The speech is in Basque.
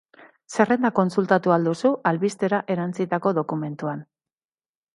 Zerrenda kontsultatu ahal duzu albistera erantsitako dokumentuan.